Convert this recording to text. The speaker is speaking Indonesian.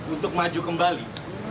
untuk maju kembali